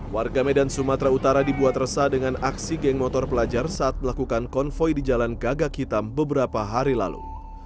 warga medan sumatera utara dibuat resah dengan aksi geng motor pelajar saat melakukan konvoy di jalan gagak hitam beberapa hari lalu